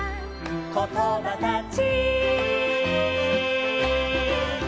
「ことばたち」